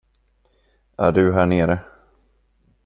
Är du här nere?